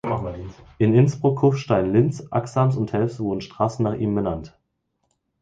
In Innsbruck, Kufstein, Lienz, Axams und Telfs wurden Straßen nach ihm benannt.